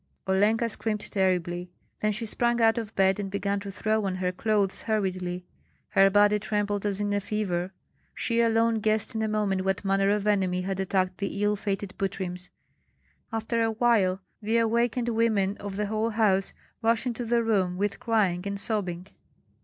Olenka screamed terribly; then she sprang out of bed and began to throw on her clothes hurriedly. Her body trembled as in a fever. She alone guessed in a moment what manner of enemy had attacked the ill fated Butryms. After a while the awakened women of the whole house rushed into the room with crying and sobbing.